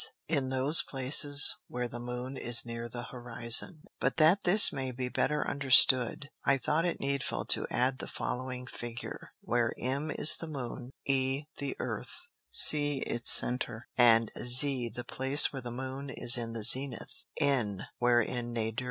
_ in those places where the Moon is near the Horizon: But that this may be the better understood, I thought it needful to add the following Figure, (Vide Fig. 1. Plate 1.) where M is the Moon, E the Earth, C its Center, and Z the place where the Moon is in the Zenith, N where in the Nadir.